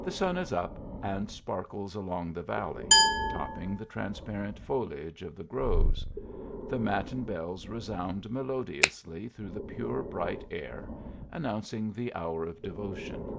The sun is up and sparkles along the valley, topping the transparent foliage of the groves. The matin bells resound melodiously through the pure bright air, announcing the hour of devotion.